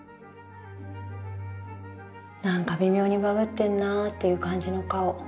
「何か微妙にバグってるなという感じの顔。